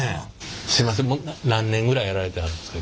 すいません何年ぐらいやられてはるんですか？